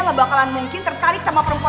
sebesar bumi itu katamu